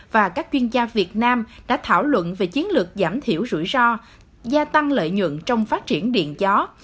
và các chuyên gia việt nam đã thảo luận về chiến lược giảm thiểu rủi ro gia tăng lợi nhuận trong phát triển điện gió